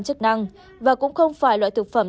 chức năng và cũng không phải loại thực phẩm